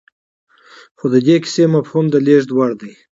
خو د دې کيسې مفهوم د لېږد وړ دی.